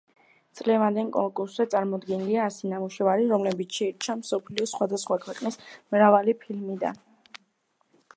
წლევანდელ კონკურსზე წამოდგენილია ასი ნამუშევარი, რომლებიც შეირჩა მსოფლიოს სხვადასხვა ქვეყნის მრავალი ფილმიდან.